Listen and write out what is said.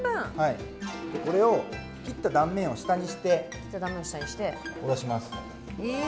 これを切った断面を下にしておろします。